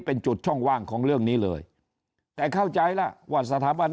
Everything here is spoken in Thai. เป็นจุดช่องว่างของเรื่องนี้เลยแต่เข้าใจล่ะว่าสถาบัน